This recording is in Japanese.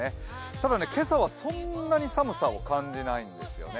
ただ、今朝はそんなに寒さを感じないんですよね。